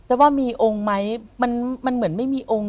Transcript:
ว่ามีองค์ไหมมันเหมือนไม่มีองค์